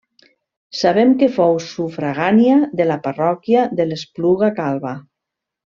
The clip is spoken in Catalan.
Sabem que fou sufragània de la parròquia de l'Espluga Calba.